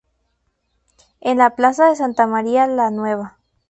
En la "plaza de Santa María la Nueva".